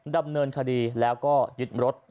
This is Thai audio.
ดำเนินคดีแล้วก็ยึดรถ